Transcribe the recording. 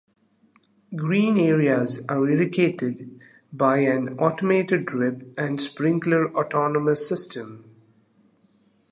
Green areas are irrigated by an automated drip and sprinkler autonomous system.